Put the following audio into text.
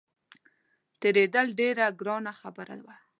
تېرېدل ډېره ګرانه خبره وه.